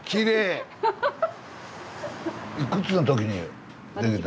いくつの時に？